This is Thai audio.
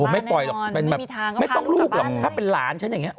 ไม่ปล่อยหรอกเป็นแบบไม่ต้องลูกหรอกถ้าเป็นหลานฉันอย่างนี้